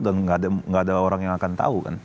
dan tidak ada orang yang akan tahu kan